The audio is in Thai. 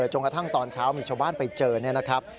จนกระทั่งตอนเช้ามีชาวบ้านไปเจอเนี่ยนะครับ